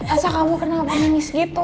elsa kamu kena apa apa nengis gitu